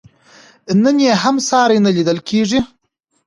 نن یې هم ساری نه لیدل کېږي.